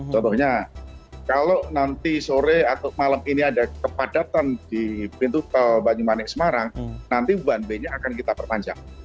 contohnya kalau nanti sore atau malam ini ada kepadatan di pintu tol banyumanik semarang nanti one way nya akan kita perpanjang